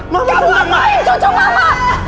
kamu ngapain cucu mama